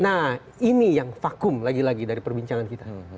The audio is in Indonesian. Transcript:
nah ini yang vakum lagi lagi dari perbincangan kita